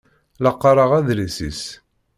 La qqaṛeɣ adlis-is.